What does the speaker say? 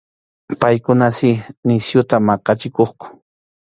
Paykuna si nisyuta maqachikuqku.